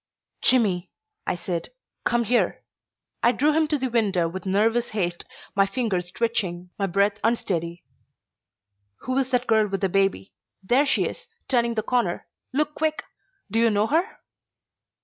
"Jimmy," I said, "come here." I drew him to the window with nervous haste, my fingers twitching, my breath unsteady. "Who is that girl with the baby? There she is, turning the corner. Look quick! Do you know her?"